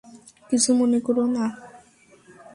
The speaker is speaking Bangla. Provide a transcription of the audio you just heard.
কিছু মনে করোনা।